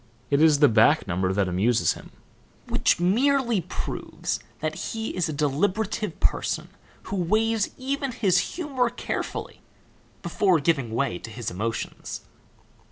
It is the back number that amuses him which merely proves that he is a deliberative person who weighs even his humor carefully before giving way to his emotions."